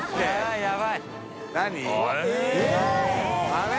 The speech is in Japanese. あれ？